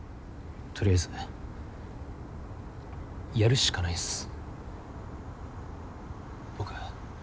とりあえずやるしかないんす僕。